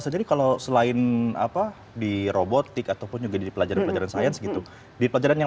sendiri kalau selain apa di robotik ataupun juga dipelajari pelajaran sains gitu di pelajaran yang